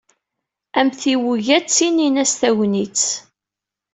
Amtiweg-a ttinin-as Tagnit.